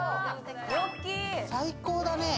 最高だね、